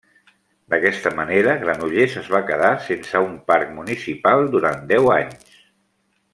D'aquesta manera, Granollers es va quedar sense un parc municipal durant deu anys.